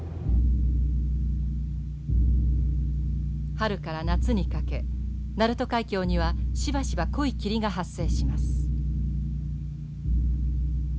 春から夏にかけ鳴門海峡にはしばしば濃い霧が発生します。